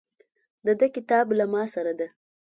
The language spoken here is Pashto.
د ده کتاب له ماسره ده.